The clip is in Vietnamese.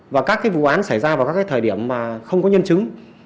và các vụ án xảy ra vào các thời điểm mà không có nhân chứng